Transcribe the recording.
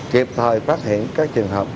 kịp thời phát hiện các trường hợp